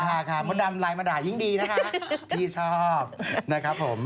ค่ะมดดำไลน์มาด่ายิ่งดีนะคะพี่ชอบนะครับผม